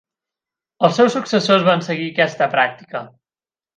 Els seus successors van seguir aquesta pràctica.